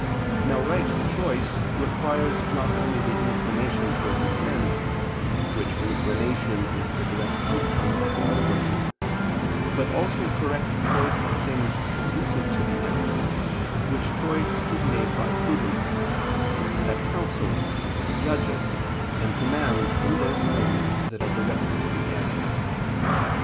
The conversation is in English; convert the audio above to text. Now right choice requires not only the inclination to a due end, which inclination is the direct outcome of moral virtue, but also correct choice of things conducive to the end, which choice is made by prudence, that counsels, judges, and commands in those things that are directed to the end.